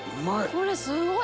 これすごい！